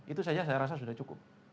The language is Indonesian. itu saja saya rasa sudah cukup